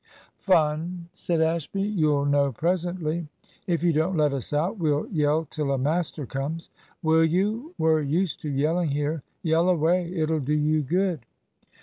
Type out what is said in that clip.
"Fun," said Ashby. "You'll know presently." "If you don't let us out, we'll yell till a master comes." "Will you? we're used to yelling here. Yell away; it'll do you good."